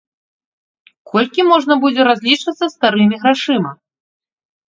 Колькі можна будзе разлічвацца старымі грашыма?